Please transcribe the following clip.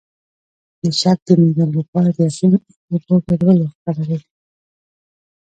د شک د مینځلو لپاره د یقین او اوبو ګډول وکاروئ